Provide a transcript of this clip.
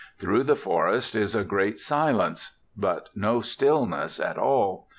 Through the forest is a great silence, but no stillness at all.